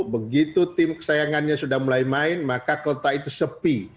begitu tim kesayangannya sudah mulai main maka kota itu sepi